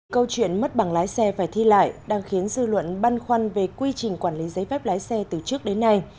câu chuyện mất bằng lái xe phải thi lại đang khiến dư luận băn khoăn về quy trình quản lý giấy phép lái xe từ trước đến nay